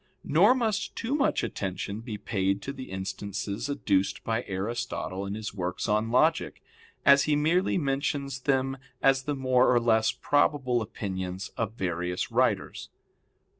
Nor must too much attention be paid to the instances adduced by Aristotle in his works on logic, as he merely mentions them as the more or less probable opinions of various writers.